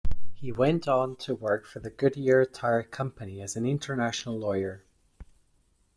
He went on to work for the Goodyear tire company as an international lawyer.